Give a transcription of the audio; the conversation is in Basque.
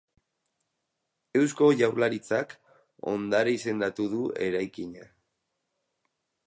Eusko Jaurlaritzak ondare izendatu du eraikina.